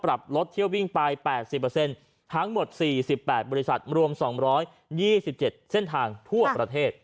ปรับลดเที่ยววิ่งไป๘๐ทั้งหมด๔๘บริษัทรวม๒๒๗เส้นทางทั่วประเทศ